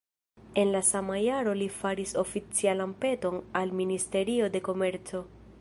En la sama jaro li faris oficialan peton al Ministerio de Komerco.